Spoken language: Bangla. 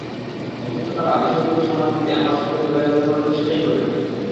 অথচ তাঁরা বিষয়গুলো সামাল দিতে আমার সঙ্গে যোগাযোগের কোনো চেষ্টাই করেননি।